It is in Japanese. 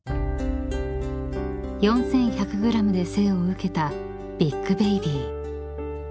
［４，１００ｇで生をうけたビッグベイビー］